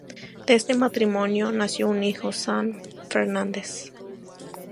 De este matrimonio nació un hijo, Sam Fernández.